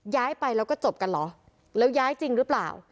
ย้ายไปแล้วก็จบกันเหรอแล้วย้ายจริงหรือเปล่า